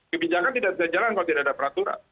kebijakan tidak bisa jalan kalau tidak ada peraturan